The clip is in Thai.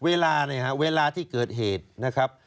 เวลาเนี่ยฮะเวลาที่เกิดเหตุนะครับ